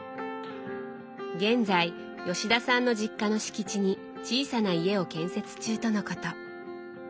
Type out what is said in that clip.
現在吉田さんの実家の敷地に小さな家を建設中とのこと。